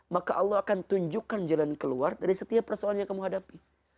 maka allah akan tunjukkan jalan keluar dari setiap persoalan yang kamu hadapi